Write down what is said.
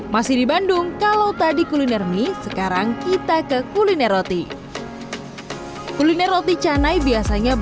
mie bakar saus keju yang dijual di rumah makan jalanan